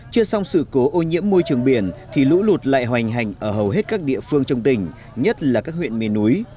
chưa xong sự cố ô nhiễm môi trường biển thì lũ lụt lại hoành hành ở hầu hết các địa phương trong tỉnh nhất là các huyện mê núi